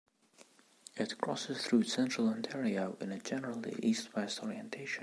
It crosses through central Ontario in a generally east-west orientation.